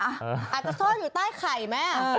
อักกะโซ่อยู่ใต้ไข่ไหม